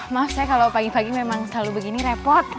maaf saya kalau pagi pagi memang selalu begini repot